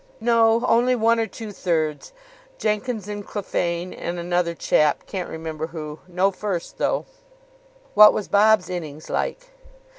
"No. Only one or two thirds. Jenkins and Clephane, and another chap, can't remember who. No first, though." "What was Bob's innings like?"